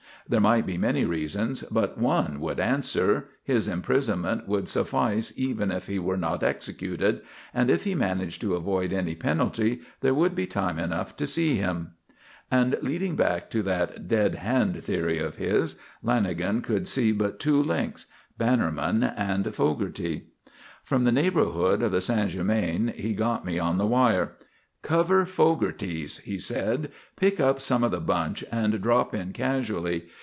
There might be many reasons, but one would answer: his imprisonment would suffice even if he were not executed; and if he managed to avoid any penalty, there would be time enough to see him. And leading back to that "dead hand" theory of his, Lanagan could see but two links: Bannerman and Fogarty. From the neighbourhood of the St. Germain he got me on the wire. "Cover Fogarty's," he said. "Pick up some of the bunch and drop in casually.